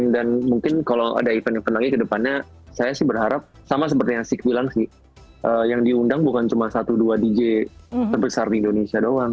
dan mungkin kalau ada event event lagi ke depannya saya sih berharap sama seperti yang sik bilang sih yang diundang bukan cuma satu dua dj terbesar di indonesia doang